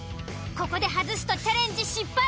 ここで外すとチャレンジ失敗。